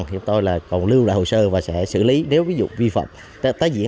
chúng tôi còn lưu lại hồ sơ và sẽ xử lý nếu ví dụ vi phạm tái diễn